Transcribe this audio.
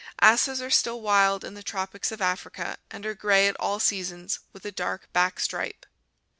Asses are still wild in the tropics of Africa and are gray at all seasons, with a dark back stripe.